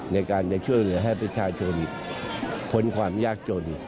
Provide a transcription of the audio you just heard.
ในการจะช่วยเหลือให้ประชาชนพ้นความยากจน